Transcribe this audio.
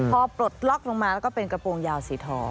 พอปลดล็อกลงมาแล้วก็เป็นกระโปรงยาวสีทอง